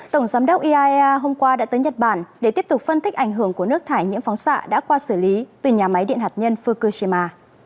tổng giám đốc iaea hôm qua đã tới nhật bản để tiếp tục phân tích ảnh hưởng của nước thải nhiễm phóng xạ đã qua xử lý từ nhà máy điện hạt nhân fukushima